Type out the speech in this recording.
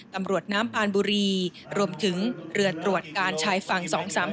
ตำรวจน้ำปานบุรีรวมถึงเรือตรวจการชายฝั่ง๒๓๓